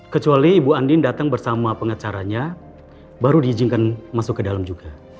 kecuali ibu andin datang bersama pengacaranya baru diizinkan masuk ke dalam juga